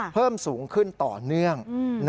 เพิ่มสูงขึ้นต่อเนื่อง